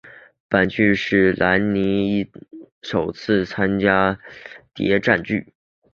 本剧是闫妮首次参演的谍战剧。